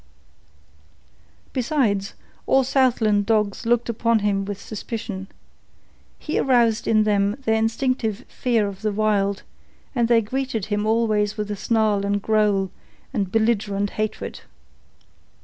Besides, all Southland dogs looked upon him with suspicion. He aroused in them their instinctive fear of the Wild, and they greeted him always with snarl and growl and belligerent hatred.